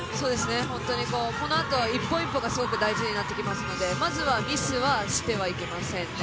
このあと１本１本がすごく大事になってきますのでまずはミスはしてはいけません。